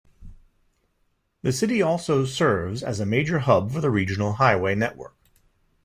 The city also serves as a major hub for the regional highway network.